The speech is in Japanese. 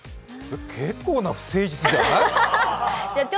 結構な不誠実じゃない？